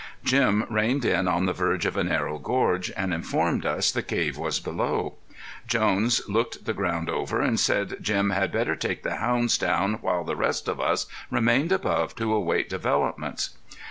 Jim reined in on the verge of a narrow gorge, and informed us the cave was below. Jones looked the ground over and said Jim had better take the hounds down while the rest of us remained above to await developments.